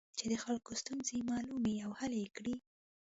چې د خلکو ستونزې معلومې او حل کړي.